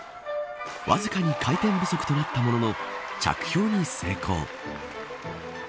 わずかに回転不足となったものの着氷に成功。